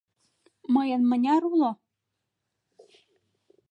Мыйын мыняр уло?